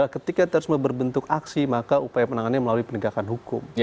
ketika terorisme berbentuk aksi maka upaya penanganannya melalui penegakan hukum